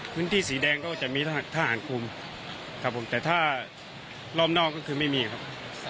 พื้นที่สีแดงก็จะมีทหารคุมแต่หลอมก็คือไม่มีครับ